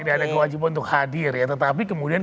tidak ada kewajiban untuk hadir ya tetapi kemudian